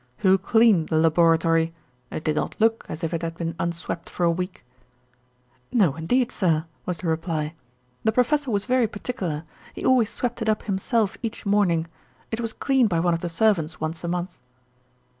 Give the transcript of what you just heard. "Who cleaned the laboratory? It did not look as if it had been unswept for a week." "No, indeed, sir," was the reply, "the professor was very particular. He always swept it up himself each morning. It was cleaned by one of the servants once a month."